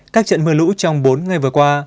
các trận mưa lũ trong bốn ngày vừa qua